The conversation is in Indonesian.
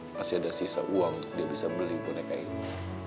masih ada sisa uang untuk dia bisa beli boneka ini